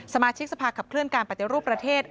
สมาชิกสภาขับเคลื่อนการปฏิรูปประเทศ